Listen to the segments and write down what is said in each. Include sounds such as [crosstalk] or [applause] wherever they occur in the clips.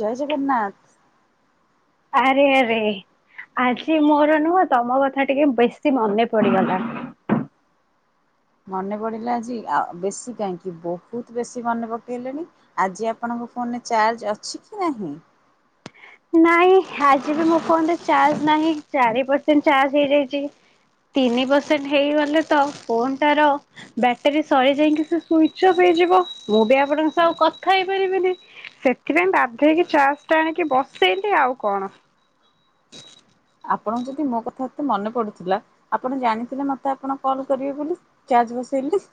ଜୟ ଜଗନ୍ନାଥ। ଆରେ ଆରେ ଆଜି ମୋର ନୁହଁ ତମ କଥା ଟିକେ ବେଶୀ ମନେ ପଡିଗଲା। ମନେ ପଡିଲା ଆଜି ବେଶୀ କାହିଁକି ବହୁତ ବେଶୀ ମନେ ପକେଇଲେଣି? ଆଜି ଆପଣଙ୍କ ଫୋନରେ ଚାର୍ଜ ଅଛି କି ନାହିଁ? ନାଇଁ ଆଜି ବି ମୋ ଫୋନ୍ ରେ ଚାର୍ଜ ନାହିଁ ଚାରି ପରସେଣ୍ଟ ଚାର୍ଜ ହେଇଯାଇଛି। ତିନି ପସେଣ୍ଟ ହେଇଗଲେ ତ ଫୋନ୍ ଟାର ବଟେରୀ ସରିଯାଇକି ସୁଇଚ ଅଫ୍ ହେଇଯିବ ମୁଁ ବି ଆପଣଙ୍କ ସହ କଥା ହେଇପାରିବିନି। ସେଥିପାଇଁ ବାଧ୍ୟହେଇକି ଚାର୍ଜ ଟା ଆଣିକି ବସେଇଲି ଆଉ କଣ। ଆପଣଙ୍କୁ ଯଦି ମୋ କଥା ଏତେ ମନେ ପଡୁଥିଲା ଆପଣ ଜାଣିଥିଲେ ମତେ ଆପଣ କଲ୍ କରିବେ ବୋଲି ଆ ଚାର୍ଜ ବସେଇଲି।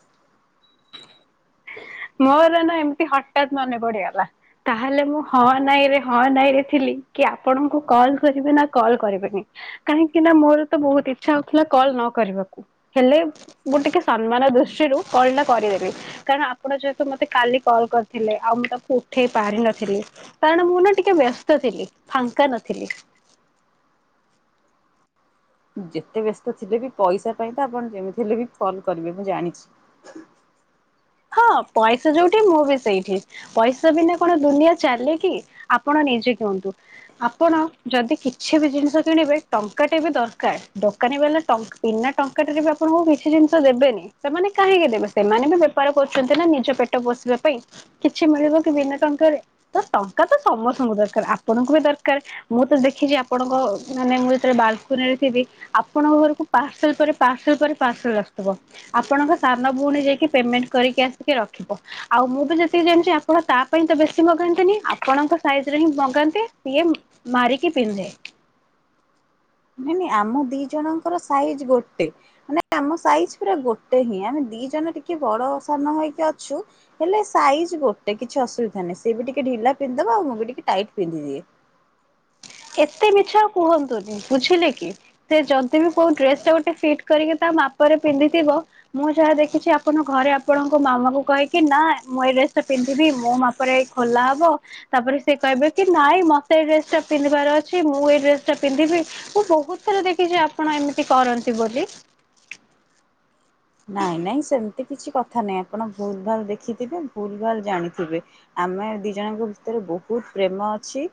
[inaudible] ମୋର ନା ଏମିତି ହଠାତ ମନେ ପଡିଗଲା। ତାହେଲେ ମୁଁ ହଁ ନାଇଁ ରେ ହଁ ନାଇଁ ରେ ଥିଲି କି ଆପଣଙ୍କୁ କଲ କରିଵି ନା କଲ୍ କରିବିନି। କାହିଁକି ନା ମୋର ତ ବହୁତ ଇଚ୍ଛା ହଉଥିଲା କଲ୍ ନ କରିବାକୁ। ହେଲେ ମୁଁ ଗୋ ଟିକେ ସମ୍ମାନ ଦୃଷ୍ଟିରୁ କଲ୍ ଟା କରିଦେବି କାରଣ ଆପଣ ଯେହେତୁ ମତେ କାଲି କଲ କରିଥିଲେ ଆଉ ମୁଁ ତାକୁ ଉଠେଇ ପାରି ନଥିଲି। କାରଣ ମୁଁ ନା ଟିକେ ବ୍ୟସ୍ତ ଥିଲି ଫାଙ୍କା ନଥିଲି। ଯେତେ ବ୍ୟସ୍ତ ଥିଲେ ବି ପଇସା ପାଇଁ ତ ଆପଣ ଯେମିତି ହେଲେ ବି ଫୋନ୍ କରିବେ ମୁଁ ଜାଣିଛି। ହଁ ପଇସା ଯୋଉଠି ମୁଁ ବି ସେଇଠି। ପଇସା ବିନା କଣ ଦୁନିଆ ଚାଲେ କି ଆପଣ ନିଜେ କୁହନ୍ତୁ? ଆପଣ ଯଦି କିଛି ବି ଜିନିଷ କିଣିବେ ଟଙ୍କାଟେ ବି ଦରକାର ଦୋକାନୀ ବାଲା ଟ ବିନା ଟଙ୍କା ଟେରେ ବି ଆପଣଙ୍କୁ କିଛି ଜିନିଷ ଦେବେନି ସେମାନେ କାହିଁକି ଦେବେ ସେମାନେ ବି ବେପାର କରୁଛନ୍ତି ନା ନିଜ ପେଟ ପୋଷିବା ପାଇଁ କିଛି ମିଳିବ କି ବିନା ଟଙ୍କା ରେ। ତ ଟଙ୍କା ତ ସମସ୍ତଙ୍କୁ ଦରକାର ଆପଣଙ୍କୁ ବି ଦରକାର। ମୁଁ ତ ଦେଖିଛି ଆପଣଙ୍କ ମାନେ ମୁଁ ଯେତବେଳେ ବାଲକୁନୀରେ ଥିବି ଆପଣଙ୍କ ଘରକୁ ପାର୍ସଲ ପରେ ପାର୍ସଲ ପରେ ପାର୍ସଲ ଆସୁଥିବ। ଆପଣଙ୍କ ସାନ ଭଉଣୀ ଯାଇକି ପେମେଣ୍ଟ କରିକି ଆସିକି ରଖିବ। ଆଉ ମୁଁ ବି ଯେତିକି ଜାଣିଛି ଆପଣ ତା ପାଇଁ ତ ବେଶୀ ମଗାନ୍ତିନି ଆପଣଙ୍କ ସାଇଜ ରେ ହିଁ ମଗାନ୍ତି ସିଏ ମାରି କିି ପିନ୍ଧେ। ନାଇ ନାଇ ଆମ ଦି ଜଣଙ୍କର ସାଇଜି ଗୋଟେ। ମାନେ ଆମ ସାଇଜି ପୁରା ଗୋଟେ ହିଁ ଆମେ ଦି ଜଣ ଟିକେ ବଡ ସାନ ହେଇକି ଅଛୁ। ହେଲେ ସାଇଜ୍ ଗୋଟେ କିଛି ଅସୁବିଧା ନାହିଁ ସେ ବି ଟିକେ ଢିଲା ପିନ୍ଧଦବ ଆ ମୁଁ ବି ଟିକେ ଟାଇଟ୍ ପିନ୍ଧିଦିଏ। ଏତେ ମିଛ ଆଉ କୁହନ୍ତୁନି ବୁଝିଲେ କି? ସେ ଯଦି ବି କୋଉ ଡ୍ରେସ ଟା ଗୋଟେ ଫିଟ କରିକି ତା ମାପରେ ପିନ୍ଧିଥିବ। ମୁଁ ଯାହା ଦେଖିଛି ଆପଣ ଘରେ ଆପଣଙ୍କ ମାମା କୁ କହିକି, ନା ମୁଁ ଏଇ ଡ୍ରେସ ଟା ପିନ୍ଧିବି ମୋ ମାପ ପରେ ଖୋଲା ହବ। ତାପରେ ସେ କହିବେ କି ନାଇଁ ମତେ ଏ ଡ୍ରେସ ଟା ପିନ୍ଧିବାର ଅଛି। ମୁଁ ଏ ଡ୍ରେସ ଟା ପିନ୍ଧିବି। ମୁଁ ବହୁତ ଥର ଦେଖିଛି ଆପଣ ଏମିତି କରନ୍ତି ବୋଲି। ନାଇଁ ନାଇଁ ସେମିତି କିଛି କଥା ନାଇଁ। ଆପଣ ଭୁଲ ଭାଲ ଦେଖିଥିବେ। ଭୁଲ ଭାଲ ଜାଣିଥିବେ। ଆମେ ଦି ଜଣଙ୍କ ଭିତରେ ବହୁତ ପ୍ରେମ ଅଛି।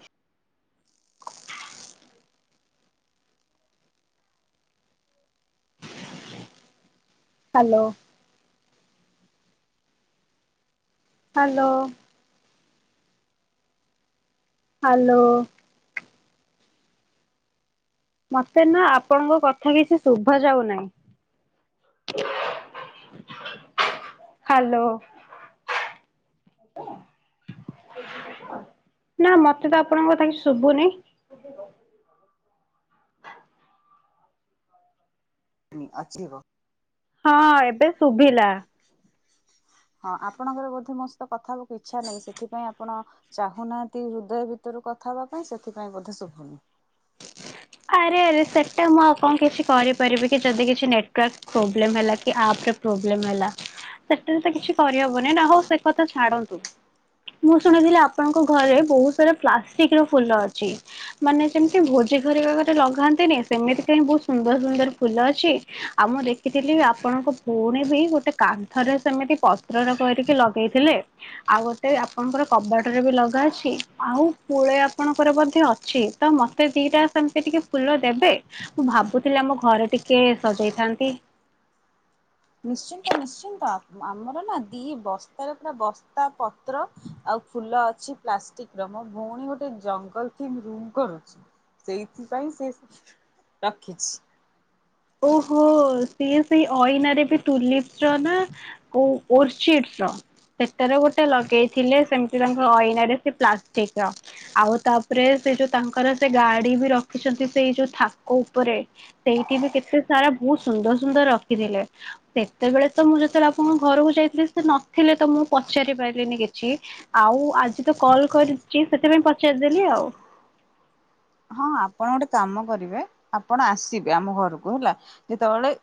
ହ୍ୟାଲୋ। ହ୍ୟାଲୋ। ହାଲୋ ମତେ ନା ଆପଣଙ୍କ କଥା କିଛି ଶୁଭା ଯାଉ ନାହିଁ। ହ୍ୟାଲୋ। ନା ମତେ ତ ଆପଣଙ୍କ କଥା କିଛି ଶୁଭୁନି। [inaudible] ହୁଁ ଆଚିବ। ହଁ ଏବେ ଶୁଭିଲା। ହଁ ଆପଣଙ୍କର ବୋଧେ ମୋ ସହିତ କଥା ହେବାକୁ ଇଚ୍ଛା ନାହିଁ। ସେଥିପାଇଁ ଆପଣ ଚାହୁଁନାହାନ୍ତି ହୃଦୟ ଭିତରୁ କଥା ହେବା ପାଇଁ। ସେଥିପାଇଁ ବୋଧେ ଶୁଭୁନି। ଆରେ ଆରେ ସେଟା ମୁଁ ଆଉ କଣ କିଛି କରି କରିପାରିବିକି ଯଦି କିଛି ନେଟୱର୍କ ପ୍ରୋବ୍ଲେମ ହେଲା କି ଆପରେ ପ୍ରୋବ୍ଲେମ ହେଲା। ସେଥେରେ ତ କିଛି କରିହବନି ନା। ହଉ ସେ କଥା ଛାଡନ୍ତୁ। ମୁଁ ଶୁଣିଥିଲି ଆପଣଙ୍କ ଘରେ ବହୁତ ସାରା ପ୍ଲାଷ୍ଟିକ ର ଫୁଲ ଅଛି। ମାନେ ଯେମିତି ଭୋଜି ଘରିକା ଘରେ ଲଗାନ୍ତିନି? ସେମିତି କା ହିଁ ବହୁତ ସୁନ୍ଦର ସୁନ୍ଦର ଫୁଲ ଅଛି। ଆମ ଦେଖ ଦେଖଥିଲି ଆପଣଙ୍କ ଭଉଣୀ ବି ଗୋଟେ କାନ୍ଥରେ ସେମିତି ପତ୍ରର କରିକି ଲଗେଇଥିଲେ। ଆଉ ଗୋଟେ ଆପଣଙ୍କର କବାଟରେ ବି ଲଗା ଅଛି। ଆଉ ପୁଳେ ଆପଣଙ୍କର ମଧ୍ୟ ଅଛି। ତ ମତେ ମତେ ଦିଟା ସେମିତି ଟିକେ ଫୁଲ ଦେବେ? ମୁଁ ଭାବୁଥିଲି ଆମ ଘରେ ଟିକେ ସଜେଇଥାନ୍ତି। ନିଶ୍ଚିନ୍ତ ନିଶ୍ଚିନ୍ତ। ଆମର ନା ଦି ବସ୍ତାରେ ପୁରା ବସ୍ତା ତ୍ର ଆଉ ଫୁଲ ଅଛି ପ୍ଲାଷ୍ଟିକ ର। ମୋ ଭଉଣୀ ଗୋଟେ ଜଙ୍ଗଲ [unintelligible] କରୁଛି। ସେଇଥିପାଇଁ ସେ ରଖିଛି। ଓହୋ। ସିଏ ସେଇ ଅଇନାରେ ବି ଟୁଲିପସ ର ନା [unintelligible] ସେଟାର ଗୋଟେ ଲଗେଇଥିଲେ ସେମତି ତାଙ୍କ ଅଇନା ରେ ସେ ପ୍ଲାଷ୍ଟିକ ର। ଆଉ ତାପରେ ସେ ଯୋଉ ତାଙ୍କର ସେ ଗାଡି ବି ରଖିଛନ୍ତି ସେଇ ଯୋଉ ଥାକ ଉପରେ। ସେଇଠି ବି କେତେ ସାରା ବହୁତ ସୁନ୍ଦର ସୁନ୍ଦର ରଖିଥିଲେ। ସେତେବେଳେ ତ ମୁଁ ଯେତେବେଳେ ଆପଣଙ୍କ ଘରକୁ ଯାଇଥିଲି ସେ ନଥିଲେ ତ ମୁଁ ପଚାରି ପାରିଲିନି କିଛି। ଆଉ ଆଜି ତ କଲ କରିଛି ସେଥିପାଇଁ ପଚାରିଦେଲି ଆଉ। ହଁ ଆପଣ ଗୋଟେ କାମ କରିବେ। ଆପଣ ଆସିବେ ଆମ ଘରକୁ ହେଲା। ଯେତେବେଳେ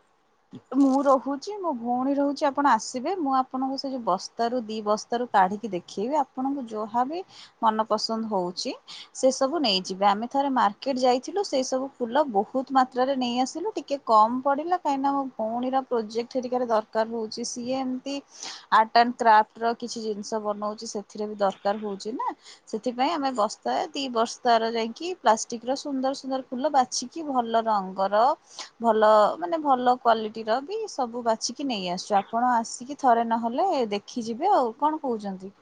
ଆଉ ମୁଁ ରହୁଛି, ମୋ ଭଉଣୀ ରହୁଛି, ଆପଣ ଆସିବେ, ମୁଁ ଆପଣଙ୍କୁ ସେ ଯୋଉ ବ ବ ସ୍ତାରୁ, ଦି ବସ୍ତ ରୁ, କାଢିକି ଦେଖେଇବି ଆପଣଙ୍କୁ ଯାହା ବି ମନ ପସନ୍ଦ ହଉଛି ସେ ସବୁ ନେଇଯିବେ। ଆମେ ଥରେ ମାର୍କେଟ ଯାଇଥିଲୁ। ସେଇ ସବୁ ଫୁଲ ବହୁତ ମାତ୍ରାରେ ନେଇ ଆସିଲୁ। ଟିକେ କମ ପଡିଲା। କାହିଁକିନା ମୋ ଭଉଣୀର ପ୍ରୋଜେକ୍ଟ ହେରିକା ରେ ଦରକାର ହଉଛି। ସିଏ ଏମିତି ଆର୍ଟ ଆଣ୍ଡ କ୍ରାଫ୍ଟ ର କିଛି ଜିନିଷ ବନଉଛି ସେଥିରେ ବି ଦରକାର ହଉଛି ନା। ସେଥିପାଇଁ ଆମେ ବସ୍ତାଏ ଦି ବସ୍ତାର ଯାଇକି ପ୍ଲାଷ୍ଟିକ ର ସୁନ୍ଦର ସୁନ୍ଦର ଫୁଲ ବାଛିକି, ଭଲ ରଙ୍ଗର, ଭଲ ମାନେ ଭଲ କ୍ୱଲିଟିର ବି ସବୁ ବାଛିିକି ନେଇ ଆସୁଛୁ। ଆପଣ ଆସିକି ଥରେ ନହେଲେ ଦେଖ ଦେଖି ଯିବେ ଆଉ କଣ କହୁଛନ୍ତି?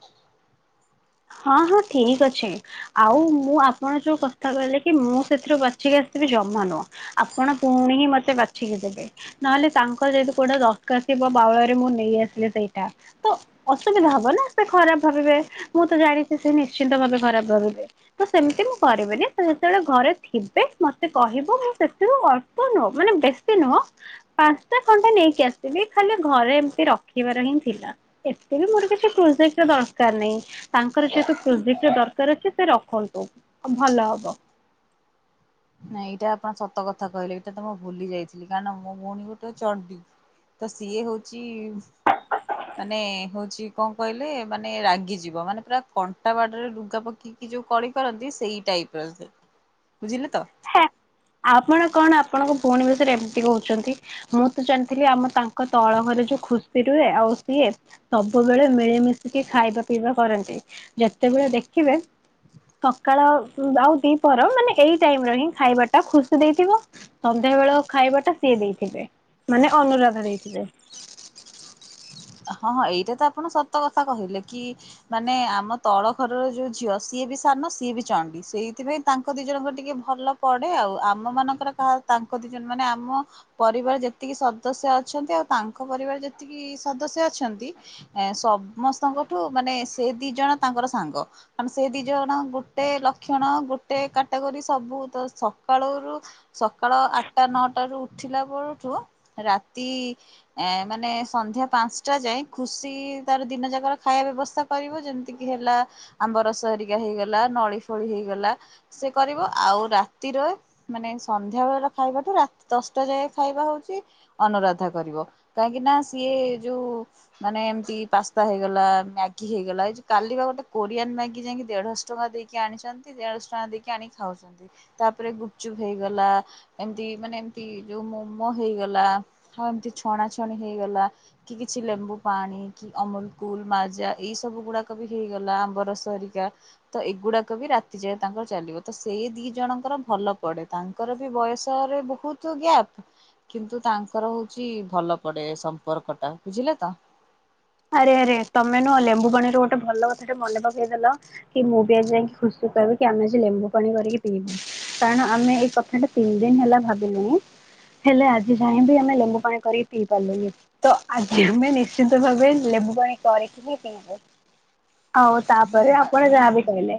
ହଁ ହଁ ଠିକ ଅଛେ। ଆଉ ମୁଁ ଆପଣ ଯୋଉ କଥା କହିଲେ କି ମୁଁ ସେଥିରୁ ବାଛିକି ଆସିଥିବି ଜମା ନୁହଁ। ଆପଣ ପୁଣି ହିଁ ମତେ ବାଛିକି ଦେବେ। ନହେଲେ ତାଙ୍କ ଯଦତି କୋଉଟା ଦରଖ ଶିବ ବାଉଳରେ ମୁଁ ନେଇଆସିଲି ସେଇଟା। ତ ଅସୁବିଧା ହବ ନା ସେ ଖରାପ ଭାବିବେ ମୁଁ ତ ଜାଣିଛି ସେ ନିଶ୍ଚିନ୍ତ ଭାବେ ଖରାପ ଭାବିବେ। ତ ସେମିତି ମୁଁ କରିବିନି ତ ସେତେବେଳେ ଘରେ ଥିବେ ମତେ କହିବ ମୁଁ ସେଥିରୁ ଅଳ୍ପ ନୁହଁ ମାନେ ବେ ସେ ନୁହଁ ପାଞ୍ଚଟା ଖଣ୍ଡେ ନେଇକି ଆସିବି ଖାଲି ଘରେ ଏମିତି ରଖିବାର ହିଁ ଥିଲା। ଏତେ ବି ମୋର କିଛି ପ୍ରୋଜେକ୍ଟ ର ଦରକାର ନାହିଁ। ତାଙ୍କର ଯେହେତୁ ପ୍ରୋକ୍ ଦରକାର ଅଛି ସେ ରଖନ୍ତୁ ଭଲ ହବ। ନାଇଁ ଏଇଟା ଆପଣ ସତ କଥା କହିଲେ ଏଇଟା ତ ମୁଁ ଭୁଲି ଯାଇଥିଲି କାରଣ ମୋ ଭଉଣୀ ଗୋଟେ ଚଣ୍ଡୀ ତ ସିଏ ହଉଛି ମାନେ ହଉଛି କଣ କହିଲେ ମାନେ ରାଗିଯିବ ମାନେ ପୁରା କଣ୍ଟା ବାଡରେ ଲୁଗା ପକି କେଇକି ଯୋଉ କଳି କରନ୍ତି ସେଇ ଟାଇପର ସେ ବୁଝିଲେ ତ? ହେ ଆପଣ କଣ ଆପଣଙ୍କ ଭଉଣୀ ଭଷୟରେ ଏମିତି କହୁଛନ୍ତି। ମୁଁ ତ ଜାଣିଥିଲି ଆମ ତାଙ୍କ ତଳ ଘରେ ଯୋଉ ଖୁସି ରୁହେ ଆଉ ସିଏ ସବୁବେଳେ ମିଳିମିଶିକି ଖାଇବା ପିଇବା କରନ୍ତି ଯେତେବେଳେ ଦେଖିବେ ସକାଳ ଆଉ ଦିପହର ମାନେ ଏଇ ଟାଇମରେ ହିଁ ଖାଇବା ଟା ଖୁସି ଦେଇଥିବ ସନ୍ଧ୍ୟା ବେଳ ଖାଇବା ଟା ସିଏ ଦେଇଥିବ। ମାନେ ଅନୁରାଧା ଦେଇଥିବେ। ହଁ ହଁ ଏଇଟା ତ ଆପଣ ସତ କଥା କହିଲେ କି ମାନେ ଆମ ତଳ ଘରର ଯୋଉ ଝିଅ ସିଏ ବି ସାନ ସିଏ ବି ଚଣ୍ଡି ସେଇଥିପାଇଁ ତାଙ୍କ ଦି ଜଣଙ୍କ ଟିକେ ଭଲ ପଡେ ଆଉ ଆମ ମାନଙ୍କର କାହା ତାଙ୍କ ଦି ଜଣ ମାନେ ଆମ ପରିବାର ଯେତିକି ସଦସ୍ୟ ଅଛନ୍ତି ଆଉ ତାଙ୍କ ପରିବାର ଯେତିକି ସଦସ୍ୟ ଅଛନ୍ତି ଏ ସମସ୍ତଙ୍କଠୁ ମାନେ ସେ ଦି ଜଣ ତାଙ୍କର ସାଙ୍ଗ। ମାନେ ଦି ଜଣ ଗୋଟେ ଲକ୍ଷଣ ଗୋଟେ କାଟାଗୋରି ସବୁ ତ ସକାଳରୁ ସକାଳ ଆଠଟା ନଅଟା ରୁ ଉଠିଲା ପରଠୁ ରାତି ଏ ମାନେ ସନ୍ଧ୍ୟା ପାଞ୍ଚ ଞ୍ଚଟା ଯାଏ ଖୁସି ତାର ଦିନ ଯାକର ଖାଇବା ବ୍ୟବସ୍ଥା କରିବ ଯେମିତିକି ହେଲା ଆମ୍ବ ରସହରିକା ହେଇଗଲା ନଳିଫଳି ହେଇଗଲା ସେ କରିବ ଆଉ ରାତିରେ ମାନେ ସନ୍ଧ୍ୟାବେେଳର ଖାଇବାଠୁ ରାତି ଦଶଟା ଯାଏ ଖାଇବା ହଉଛି ଅନୁରାଧା କରିବ କାହିଁକି ନା ସିଏ ଯୋଉ ମାନେ ଏମିତି ପାସ୍ତା ହେଇଗଲା ମ୍ୟାଗି ହେଇଗଲା ଏ ଯଉ କାଲି ବା ଗୋଟେ କୋରିଆନ୍ ମ୍ୟାଗି ଯାଇକି ଦେଢଶହ ଟଙ୍କା ଦେଇକି ଆଣିଛନ୍ତି ଦେଢ଼ଶହ ଟଙ୍କା ଦେଇକି ଆଣିି ଖାଉଛନ୍ତି ତାପରେ ଗୁପଚୁପ ହେଇଗଲା ଏମତି ମାନେ ଏମତି ଯୋଉ ମମୋ ହେଇଗଲା ଆଉ ଏମତି ଛଣା ଛଣି ହେଇଗଲା କି କିଛି ଲେମ୍ବୁ ପାଣି ଅମୁଲକୁୁଲ ମାଜା ଏଇ ସବୁ ଗୁଡାକ ବି ହେଇଗଲା ଆମ୍ବରସ ହରିକା ତ ଏଗୁଡାକ ବି ରାତି ଯାଏ ତାଙ୍କର ଚାଲିବ ତ ସେଇ ଦି ଜଣଙ୍କର ଭଲ ପଡେ ତାଙ୍କ ତାଙ୍କର ବି ବୟସରେ ବହୁତ ଗ୍ୟାପ୍ କିନ୍ତୁ ତାଙ୍କର ହଉଛି ଭଲ ପଡେ ସମ୍ପର୍କ ଟା ବୁଝିଲେ ତ? ଆରେ ଆରେ ତମେ ନୁହଁ ଲେମ୍ବୁ ପାଣିରୁ ଗୋଟେ ଭଲ କଥାଟେ ମନେ ପକେଇଦେଲ। କି ମୁଁ ବି ଆଜି ଯାଇକି ଖୁସିକି କହିବି କି ଆମେ ଆଜି ଲେମ୍ବୁପାଣି କରିକି ପିଇବୁ। କାରଣ ଆମେ ଏଇ କଥାଟା ତିନି ଦିନ ହେଲା ଭାବିଲୁଣି। ହେଲେ ଆଜି ଯାଏ ବି ଆମେ ଲେମ୍ବୁପାଣି କରିକି ପିଇ ପାରିଲୁନ ତ ଆଜି ଆମେ ନିଶ୍ଚିିତ ଭାବେ ଲେମ୍ବୁପାଣି କରିକିରି ପିଇବୁ ଆଉ ତାପରେ ଆପଣ ଯାହାବି କହିଲେ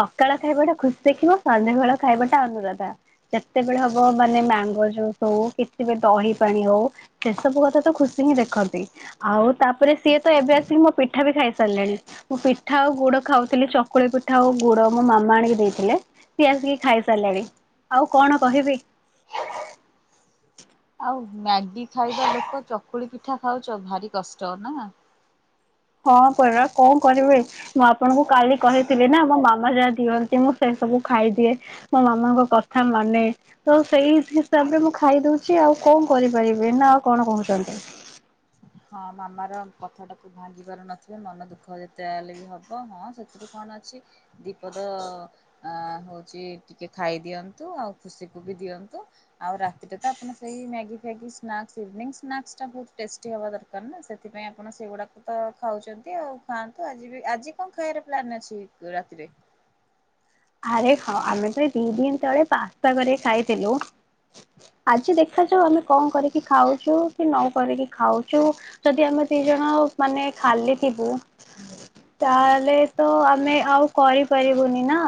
ସକାଳ ଖାଇବାଟା ଖୁସି ଦେଖିଲେ ସନ୍ଧ୍ୟାବେଳ ଖାଇବାଟା ଅନୁରାଧା। ଯେତେବେଳେ ହବ ମାନେ ମ୍ୟାଙ୍ଗୋଜୁସ୍ ହଉ କିଛିବି ଦହିପାଣି ହଉ ସେ ସବୁ କଥା ତ ଖୁସି ହିଁ ଦେଖନ୍ତି। ଆଉ ତାପରେ ସେ ତ ଏବେ ଆସିକି ମୋ ପିଠା ବି ଖାଇସାରିଲାଣି। ମୁଁ ପିଠା ଆଉ ଗୁଡ ଖାଉଥିଲି ଚକୁଳିପିଠା ଆଉ ଗୁଡ। ମୋ ମାମା ଆଣିକି ଦେଇଥିଲେ। ସିଏ ଆଣିକି ଟିକେ ଖାଇ ସାରିଲାଣି। ଆଉ କଣ କହିବି? [inaudible] ଆଉ ମ୍ୟାଗି ଖାଇବା ଲୋକ ଚକୁଳିପିଠା ଖାଉଚ। ଭାରି କଷ୍ଟ ନା? ହଁ ପରା କଣ କରିବେ? ମୁଁ ଆପଣଙ୍କୁ କାଲି କହିଥିଲି ନା ମୋ ମାମା ଯାହା ଦିଅନ୍ତି ମୁଁ ସେ ସବୁ ଖାଇଦିଏ। ମୋ ମାମାଙ୍କ କଥା ମାନେ। ତ ସେଇ ହିସାବରେ ମୁଁ ଖାଇଦଉଛି ଆଉ କଣ କରିପାରିବି? ନା ଆଉ କଣ କହୁଛନ୍ତି? ହଁ ମାମାର କଥାଟାକୁ ଭାଙ୍ଗିିବାର ନଥିଲା। ମନ ଦୁଃଖ ଯେତେ ଯା ହେଲେ ବି ହବ। ହଁ ସେ ରୁ କଣ ଅଛି? ଦି ପଦ ଆଁ ହଉଛି ଟିକେ ଖାଇଦିଅନ୍ତୁ। ଆଉ ଖୁସିକୁ ବି ଦିଅନ୍ତୁ। ଆଉ ରାତିରେ ତ ଆପଣ ସେଇ ମ୍ୟାଗି, ଫ୍ୟାଗି ସ୍ନାକ୍ସ, ଇଭିନିଙ୍ଗ ସ୍ନାକ୍ସଟା ବହୁତ ଟେଷ୍ଟି ହବା ଦର କାର ନା। ସେଥିପାଇଁ ଆପଣ ସେଗୁଡାକ ତ ଖାଉଛନ୍ତି ଆଉ ଖାଆନ୍ତୁ। ଆଜି ବି ଆଜି କଣ ଖାଇବାର ପ୍ଲାନ ଅଛି? ରାତିରେ? ଆରେ ହଁ। ଆମେ ତ ଏଇ ଦି ଦିନ ତଳେ ପାସ୍ତା କରି ଖାଇଥିଲୁ। ଆଜି ଦେଖାଯାଉ ଆମେ କଣ କରିକି ଖାଉଚୁ କି ନ କରିକି ଖାଉଚୁ। ଯଦି ଆମେ ଦି ଜଣ ମାନେ ଖାଲି ଥିବୁ ତାହେଲେ ତ ଆମେ ଆଉ କରିପାରିବୁନି ନା।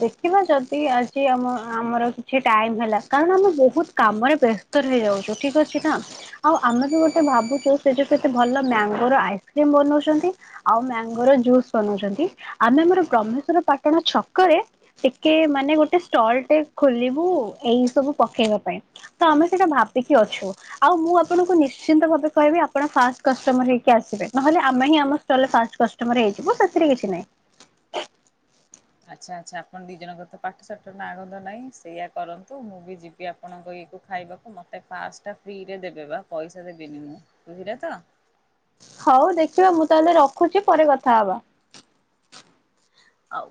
ଦେଖିବ ଯଦି ଆଜି ଆମ ଆମର କିଛି ଟାଇମ ହେଲା, କାରଣ ମୁ ବହୁତ କାମରେ ବ୍ୟ ସ୍ତରେ ରହି ଯାଉଛୁ। ଠିକ ଅଛି ନା? ଆଉ ଆମେ ବି ଗୋଟେ ଭାବୁଚୁ ସେଇଠି କେତେ ଭଲ ମ୍ୟାଙ୍ଗୋ ର ଆଇସ୍କ୍ରିମ ବନଉଛନ୍ତି। ଆଉ ମ୍ୟାଙ୍ଗୋ ର ଜୁସ୍ ବନଉଛନ୍ତି। ଆମେ ଆମର ବ୍ରହ୍ମେଶ୍ୱର ପାାଟଣା ଛକରେ ଟିକେ ମାନେ ଗୋଟେ ଷ୍ଟଲଟେ ଖୋଲିବୁ ଏଇ ସବୁ ପକେଇବା ପାଇଁ। ତ ଆମେ ସେଇଟା ଭାବିକି ଅଛୁ। ଆଉ ମୁଁ ଆପଣଙ୍କୁ ନିଶ୍ଚିନ୍ତ ଭାବେ କହିବି ଆପଣ ଫାଷ୍ଟ କଷ୍ଟମର ହେଇକି ଆସିବେ।, ନହେଲେ ଆମେ ହିଁ ଆମ ଷ୍ଟଲରେ ଫାଷ୍ଟ କ ଷ୍ଟମର ହେଇଯିବୁ ସେଥିରେ କିଛି ନାହିଁ। ଆଚ୍ଛା -ଆଚ୍ଛା। ଆପଣ ଦି ଜଣଙ୍କର ତ ପାଠ ଶାଠ ନା ଗନ୍ଧ ନାଇ ସେଇଆ କରନ୍ତୁ। ମୁଁ ବି ଯିବି କି ଆପଣଙ୍କ ଇଏକୁ ଖାଇବାକୁ। ମୋତେ ଫାଷ୍ଟଟା ଫ୍ରିରେ ଦେବେ ବା ପଇସା ଦେବିନିମୁଁ। ବୁଝିଲେ ତ? ହଉ ଦେଖିଆ। ମୁଁ ତାହେଲେ ରଖୁଛି ପରେ କଥା ହବା। ହଉ।